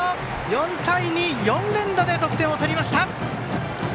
４対２４連打で得点を取りました！